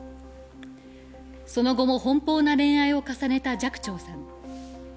その後も奔放な恋愛を重ねた寂聴さん。